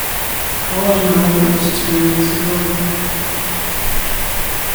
The college enrollment was two weeks ago.